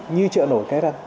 như chợ nổi cái răng